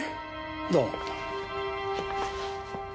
どうも。